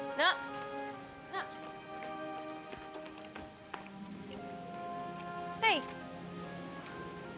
ini dilihat juga fight